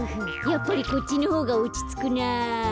やっぱりこっちのほうがおちつくなぁ。